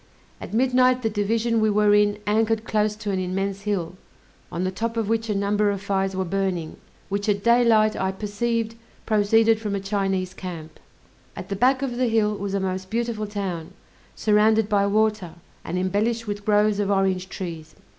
At midnight the division we were in anchored close to an immense hill, on the top of which a number of fires were burning, which at daylight I perceived proceeded from a Chinese camp. At the back of the hill was a most beautiful town, surrounded by water, and embellished with groves of orange trees.